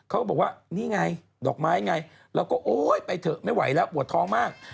เขาก็บอกว่านี่ไงดอกไม้ไงเราก็โอ๊ยไปเถอะไม่ไหวแล้วปวดท้องมาก